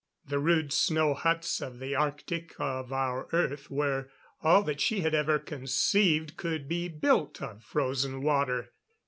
The rude snow huts of the Arctic of our Earth were all that she had ever conceived could be built of frozen water.